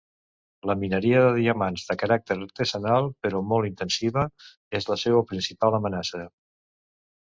La mineria de diamants, de caràcter artesanal però molt intensiva, és la seua principal amenaça.